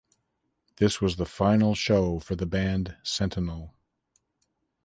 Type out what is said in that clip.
This was the final show for the band Sentinel.